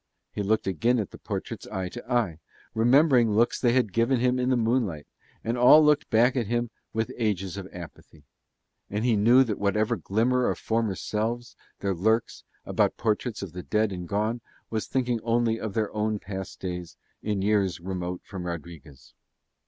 He looked again at the portraits eye to eye, remembering looks they had given him in the moonlight, and all looked back at him with ages of apathy; and he knew that whatever glimmer of former selves there lurks about portraits of the dead and gone was thinking only of their own past days in years remote from Rodriguez.